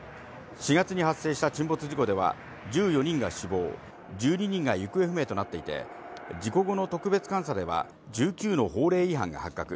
４月に発生した沈没事故では１４人が死亡、１２人が行方不明となっていて、事故後の特別監査では１９の法令違反が発覚。